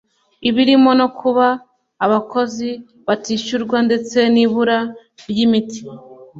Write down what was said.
birimo no kuba abakozi batishyurwa ndetse n’ibura ry’imiti